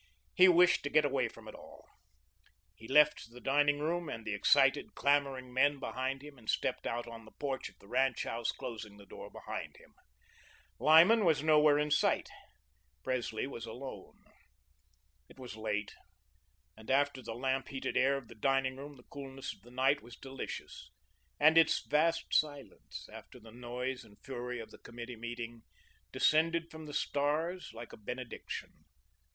He wished to get away from it all. He left the dining room and the excited, clamouring men behind him and stepped out on the porch of the ranch house, closing the door behind him. Lyman was nowhere in sight. Presley was alone. It was late, and after the lamp heated air of the dining room, the coolness of the night was delicious, and its vast silence, after the noise and fury of the committee meeting, descended from the stars like a benediction.